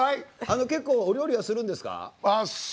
結構、お料理はするんですか？